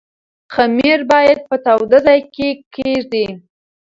خمیر باید په تاوده ځای کې کېږدئ.